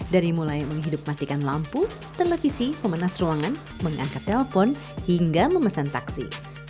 dari mulai menghidup matikan lampu televisi pemanas ruangan mengangkat telpon hingga memesan taksi